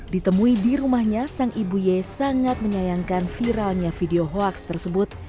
ditemui di rumahnya sang ibu ye sangat menyayangkan viralnya video hoax tersebut